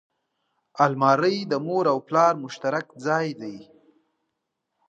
الماري د مور او پلار مشترک ځای وي